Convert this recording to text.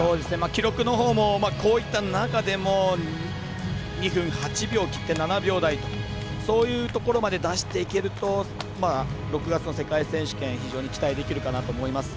記録のほうもこういった中でも２分８秒切って７秒台、そういったところまで出していけると６月の世界選手権非常に期待できるかなと思います。